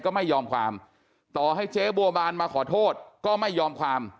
ก็ไม่ยอมความต่อให้เจ๊บัวบานมาขอโทษก็ไม่ยอมความ